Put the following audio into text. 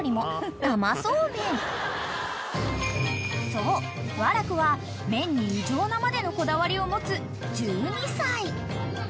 ［そう和楽は麺に異常なまでのこだわりを持つ１２歳］